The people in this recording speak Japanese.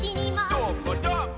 どーもどーも。